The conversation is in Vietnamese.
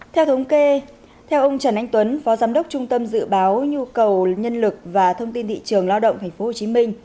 theo thống kê theo ông trần anh tuấn phó giám đốc trung tâm dự báo nhu cầu nhân lực và thông tin thị trường lao động tp hcm